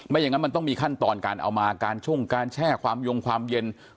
อย่างนั้นมันต้องมีขั้นตอนการเอามาการช่งการแช่ความยงความเย็น